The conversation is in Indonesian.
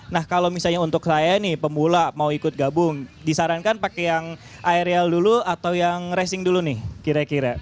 nah kalau misalnya untuk saya nih pemula mau ikut gabung disarankan pakai yang aerial dulu atau yang racing dulu nih kira kira